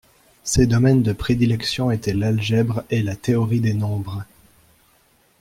Ses domaines de prédilection étaient l'algèbre et la théorie des nombres.